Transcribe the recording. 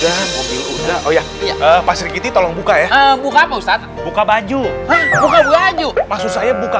dan mobil udah oh ya pak sergiti tolong buka ya buka apa ustadz buka baju buka baju maksud saya buka